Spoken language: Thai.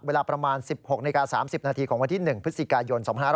เวลาประมาณ๑๖น๓๐นของวันที่๑พฤศจิกายนสร๖๐